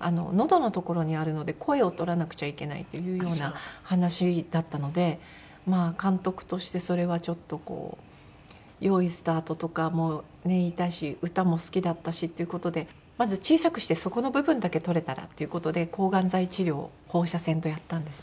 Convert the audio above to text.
あののどの所にあるので声を取らなくちゃいけないっていうような話だったので監督としてそれはちょっとこう「用意スタート」とかもね言いたいし歌も好きだったしっていう事でまず小さくしてそこの部分だけ取れたらっていう事で抗がん剤治療を放射線とやったんですね。